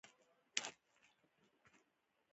هره ورځ موسیقي اورم